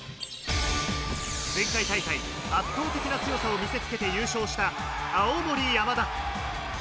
前回大会、圧倒的な強さを見せつけて優勝した青森山田。